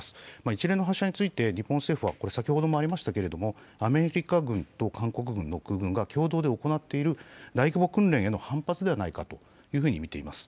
一連の発射について、日本政府は先ほどもありましたけれども、アメリカ軍と韓国軍の空軍が共同で行っている大規模訓練への反発ではないかというふうに見ています。